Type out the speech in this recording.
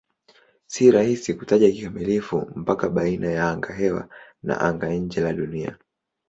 Si rahisi kutaja kikamilifu mpaka baina ya angahewa na anga-nje la Dunia.